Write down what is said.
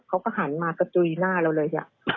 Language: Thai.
เขาก็หันมากระจุยหน้าเราเลย